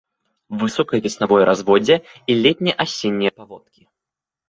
Высокае веснавое разводдзе і летне-асеннія паводкі.